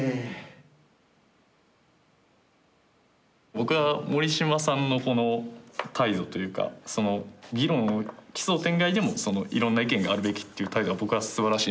僕は森嶋さんのこの態度というか議論奇想天外でもいろんな意見があるべきという態度は僕はすばらしいなと思いました。